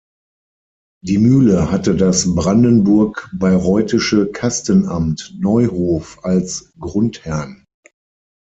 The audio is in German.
Die Mühle hatte das brandenburg-bayreuthische Kastenamt Neuhof als Grundherrn.